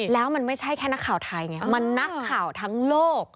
แล้วมันไม่ใช่แค่นักข่าวไทยไงมันนักข่าวทั้งโลก